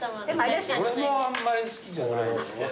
俺もあんまり好きじゃない。